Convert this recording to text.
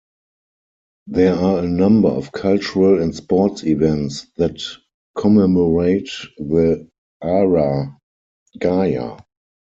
There are a number of cultural and sports events that commemorate the Ara Gaya.